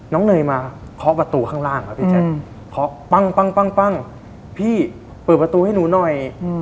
เนยมาเคาะประตูข้างล่างครับพี่แจ๊คเคาะปั้งพี่เปิดประตูให้หนูหน่อย